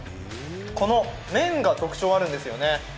この麺が特徴あるんですよね？